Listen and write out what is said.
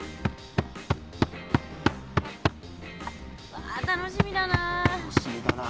うわ楽しみだな。